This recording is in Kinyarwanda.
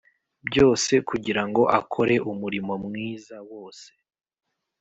byose kugira ngo akore umurimo mwiza wose